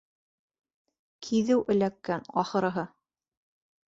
— Киҙеү эләккән, ахырыһы.